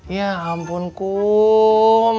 ya ampun cuk